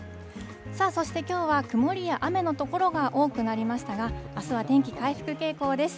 そして、きょうは曇りや雨の所が多くなりましたが、あすは天気回復傾向です。